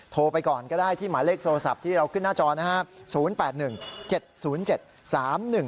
โทรไปก่อนก็ได้ที่หมายเลขโทรศัพท์ที่เราขึ้นหน้าจอนะฮะ๐๘๑๗๐๗๓๑